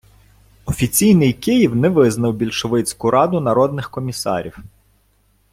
Офіційний Київ не визнав більшовицьку Раду народних комісарів.